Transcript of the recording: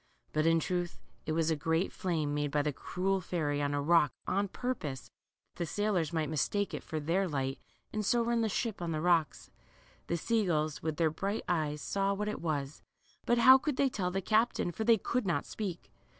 " But in truth it was a great flame made by the cruel fairy on a rock on purpose that the sailors might mistake it for their light, and so run the ship on the rocks. The sea gulls, with their bright eyes, saw what it was, but how could they tell the captain, for they could not speak.